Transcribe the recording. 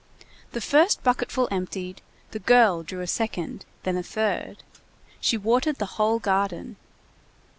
The first bucketful emptied, the girl drew a second, then a third. She watered the whole garden.